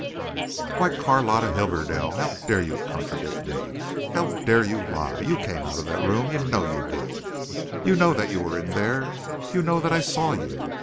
"Why, Carlotta Hibberdell, how dare you contradict me; how dare you lie! You came out of that room. You know you did. You know that you were in there. You know that I saw you.